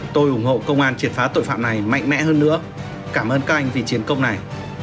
tôi ủng hộ công an triệt phá tội phạm này mạnh mẽ hơn nữa cảm ơn các anh vì chiến công này